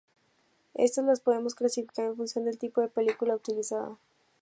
Estas las podemos clasificar en función del tipo de película utilizada.